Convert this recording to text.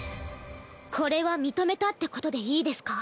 これは認めたってことでいいですか？